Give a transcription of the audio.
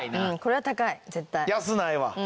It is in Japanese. うんこれは高い絶対。